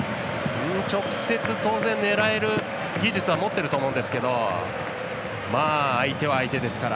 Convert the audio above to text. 直接、当然狙える技術は持っていると思うんですけど相手が相手ですから。